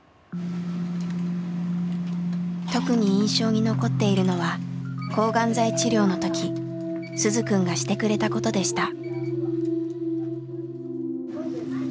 特に印象に残っているのは抗がん剤治療の時鈴くんがしてくれたことでした。